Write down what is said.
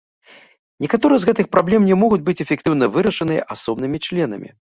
Некаторыя з гэтых праблем не могуць быць эфектыўна вырашаныя асобнымі членамі.